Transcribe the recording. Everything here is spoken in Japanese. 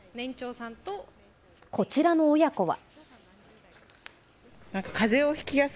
こちらの親子は。